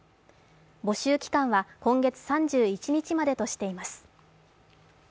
募集期間は今月３１日までとしています。